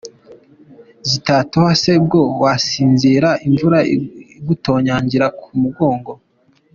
Zitatoha se bwo wasinzira imvura igutonyangira ku mugongo ?”.